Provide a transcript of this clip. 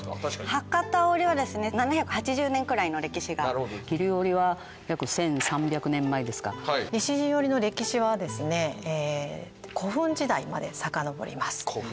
博多織は７８０年くらいの歴史が桐生織は約１３００年前ですか西陣織の歴史は古墳時代までさかのぼります